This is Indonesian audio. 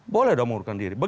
boleh dah mengundurkan diri